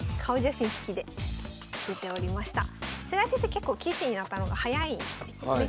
結構棋士になったのが早いんですよね。